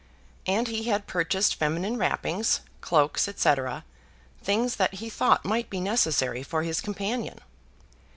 And he had purchased feminine wrappings, cloaks, &c. things that he thought might be necessary for his companion.